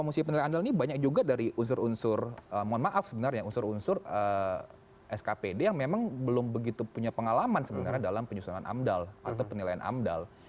fungsi penilai amdal ini banyak juga dari unsur unsur mohon maaf sebenarnya unsur unsur skpd yang memang belum begitu punya pengalaman sebenarnya dalam penyusunan amdal atau penilaian amdal